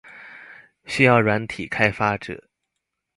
需要軟體開發者